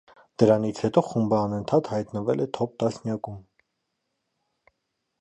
Դրանից հետո խումբը անընդհատ հայտնվել է թոփ տասնյակում։